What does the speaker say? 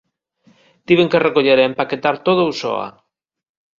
Tiven que recoller e empaquetar todo eu soa.